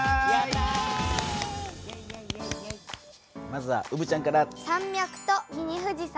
まずはうぶちゃんから。